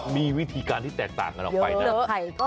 มีวิธีการแตะตากกันออกไปน่ะ